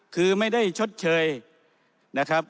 คือไม่ได้ชดเชยนะครับ